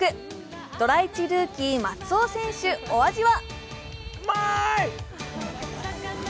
ドラ１ルーキー・松尾選手、お味は？